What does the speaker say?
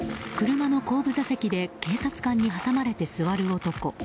車の後部座席で警察官に挟まれて座る男。